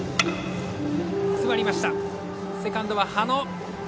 セカンドは土野。